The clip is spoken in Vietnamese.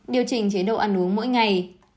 một điều chỉnh chế độ ăn uống mỗi ngày